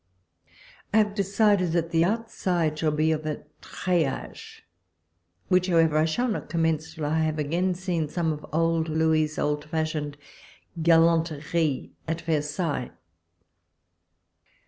I liave decided that the outside shall be of a trcillafjc, which, however, I shall not commence, till 1 have again seen some of old Louis's old fashioned (Jahinteries at Versailles.